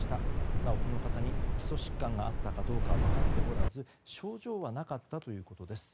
なお、この方に基礎疾患があったかどうかは分かっておらず症状はなかったということです。